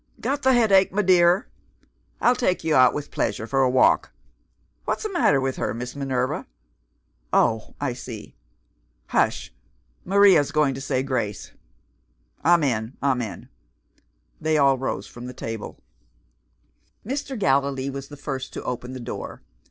"Got the headache, my dear? I'll take you out with pleasure for a walk. What's the matter with her, Miss Minerva? Oh, I see! Hush! Maria's going to say grace. Amen! Amen!" They all rose from the table. Mr. Gallilee was the first to open the door.